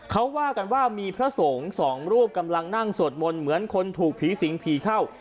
เขาว่ากันว่ามีพระสงฆ์สองรูปกำลังนั่งสวดมนต์เหมือนคนถูกผีสิงผีเข้า